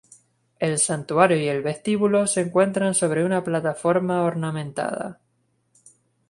El santuario y el vestíbulo se encuentran sobre una plataforma ornamentada.